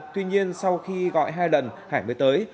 tuy nhiên sau khi gọi hai lần hải mới tới